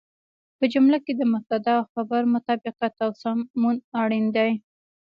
په جمله کې د مبتدا او خبر مطابقت او سمون اړين دی.